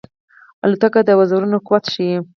الوتکه د وزرونو قوت ښيي.